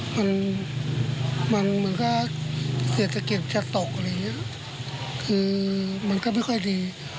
มันมันเหมือนกับเศรษฐกิจจะตกอะไรอย่างเงี้ยคือมันก็ไม่ค่อยดี